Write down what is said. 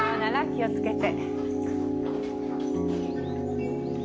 気をつけて。